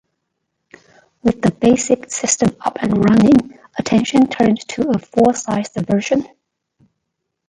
With the basic system up and running, attention turned to a "full sized" version.